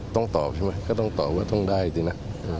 ต้องตอบใช่ไหมก็ต้องตอบว่าต้องได้จริงนะ